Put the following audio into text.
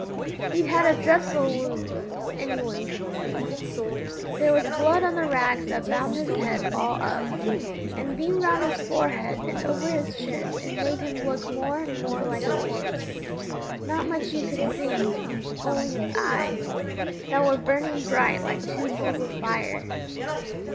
He'd had a dreadful wound, any one could see. There was blood on the rags that bound his head all up, and being round his forehead and over his chin it made him look more and more like a corpse. Not much you could see, only his eyes, that were burning bright like two coals of fire.